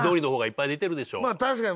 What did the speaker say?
確かに。